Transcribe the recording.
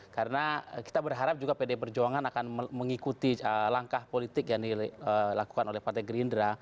karena kita berharap juga pd perjuangan akan mengikuti langkah politik yang dilakukan oleh partai gerindra